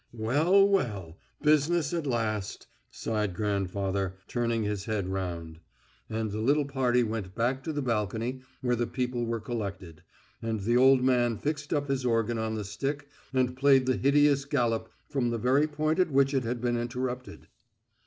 "Well, well, business at last!" sighed grandfather, turning his head round. And the little party went back to the balcony where the people were collected, and the old man fixed up his organ on the stick and played the hideous galop from the very point at which it had been interrupted.